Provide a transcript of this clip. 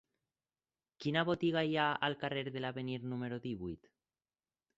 Quina botiga hi ha al carrer de l'Avenir número divuit?